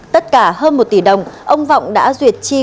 tất cả hơn một tỷ đồng ông vọng đã duyệt chi